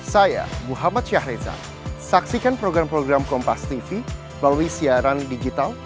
saya muhammad syahriza saksikan program program kompas tv melalui siaran digital